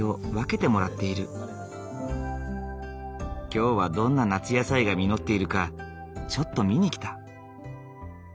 今日はどんな夏野菜が実っているかちょっと見に来た。